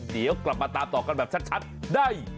เดี๋ยวกลับมาตามต่อกันแบบชัดได้